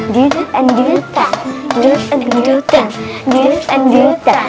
dut and duta